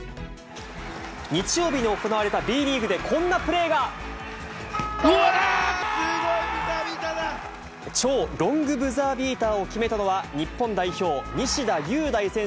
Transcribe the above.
日曜日に行われたＢリーグで、すごい、超ロングブザービーターを決めたのは、日本代表、西田優大選手。